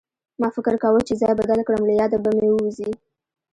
ما فکر کوه چې ځای بدل کړم له ياده به مې ووځي